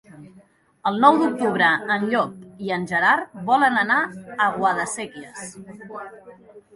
El nou d'octubre en Llop i en Gerard volen anar a Guadasséquies.